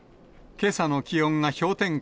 けさの気温が氷点下